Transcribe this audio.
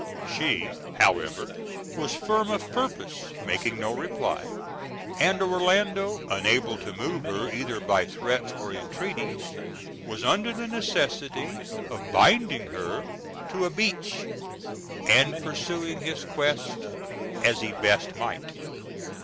She, however, was firm of purpose, making no reply, and Orlando, unable to move her either by threats or entreaties, was under the necessity of binding her to a beech, and pursuing his quest as he best might.